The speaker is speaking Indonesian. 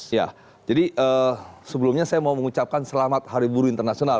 ya jadi sebelumnya saya mau mengucapkan selamat hari buruh internasional